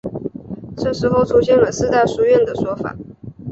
这时候出现了四大书院的说法。